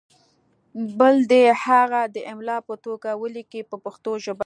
بل دې هغه د املا په توګه ولیکي په پښتو ژبه.